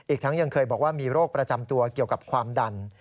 อีกทั้งยังเคยบอกว่ามีโรคประจำตัวเกี่ยวกับความดัน